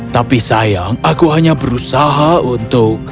tapi sayang aku hanya berusaha untuk